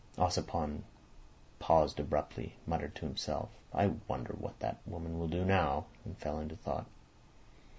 Ossipon paused abruptly, muttered to himself "I wonder what that woman will do now?" and fell into thought.